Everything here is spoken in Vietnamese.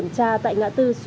mấy triệu đây ạ